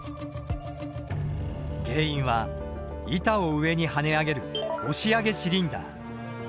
原因は板を上に跳ね上げる押し上げシリンダー。